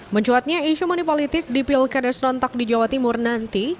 mencuatnya isu money politik di pilkada serentak di jawa timur nanti